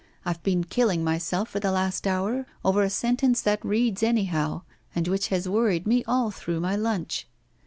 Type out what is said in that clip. I've been killing myself for the last hour over a sentence that reads anyhow, and which has worried me all through my lunch.